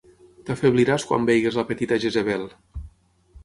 T'afebliràs quan vegis la petita Jezebel!